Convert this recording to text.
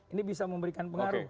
ini bisa memberikan pengaruh